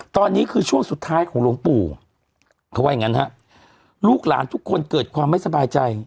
ตอนนี้คือช่วงสุดท้ายของหลวงปู่เขาว่าอย่างงั้นฮะลูกหลานทุกคนเกิดความไม่สบายใจ